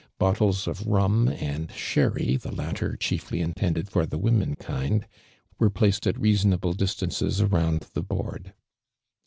Bottles of rum and sherry, the latter chiefly intendetl for the "women kind," were placed at reasonable distances around the board.